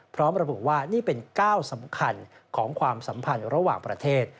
พร้อมระบุว่านี่เป็นก้าวสำคัญของความสัมพันธ์ระหว่างประเทศ